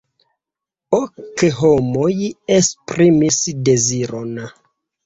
Ok homoj esprimis deziron.